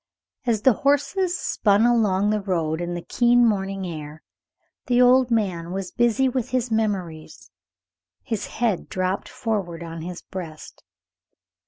As the horses spun along the road in the keen morning air, the old man was busy with his memories, his head dropped forward on his breast.